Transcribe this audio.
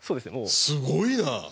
すごいな。